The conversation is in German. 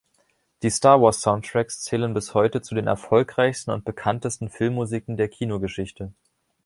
Die "Star-Wars"-Soundtracks zählen bis heute zu den erfolgreichsten und bekanntesten Filmmusiken der Kinogeschichte.